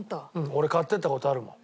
俺買っていった事あるもん。